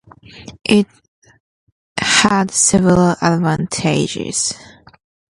It had several advantages.